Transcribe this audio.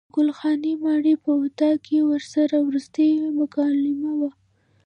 د ګل خانې ماڼۍ په اطاق کې ورسره وروستۍ مکالمه وه.